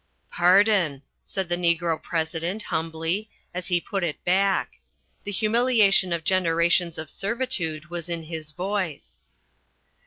"Pardon!" said the Negro President humbly, as he put it back. The humiliation of generations of servitude was in his voice.